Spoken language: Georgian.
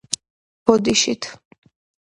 ბოდიშით